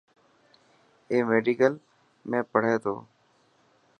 اي ميڊيڪل ۾ پهري تو.